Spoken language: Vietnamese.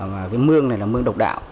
và cái mương này là mương độc đạo